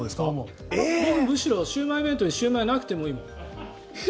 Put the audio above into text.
むしろシウマイ弁当にシウマイなくてもいいもん。